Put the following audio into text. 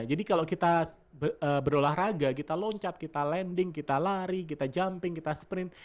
jadi kalau kita berolahraga kita loncat kita landing kita lari kita jumping kita sprint